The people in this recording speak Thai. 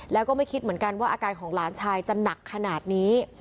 แล้วก็ไม่คิดเหมือนกันว่าอาการของหลานชายจะหนักขนาดนี้